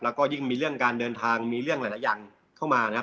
แล้วก็ยิ่งมีเรื่องการเดินทางมีเรื่องหลายอย่างเข้ามานะครับ